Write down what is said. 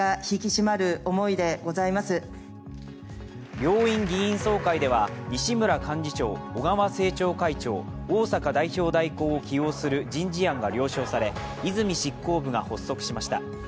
両院議員総会では、西村幹事長、小川政調会長、逢坂代表代行を起用する人事案が了承され泉執行部が発足しました。